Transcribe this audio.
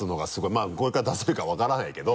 まぁこれから出せるか分からないけど。